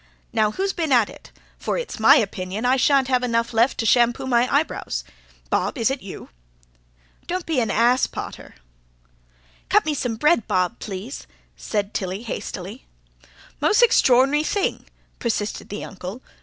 Now, who's been at it? For it's my opinion I shan't have enough left to shampoo my eyebrows. Bob, is it you?" "Don't be an ass, pater." "Cut me some bread, Bob, please," said Tilly hastily. "Mos' extraor'nary thing!" persisted the Uncle.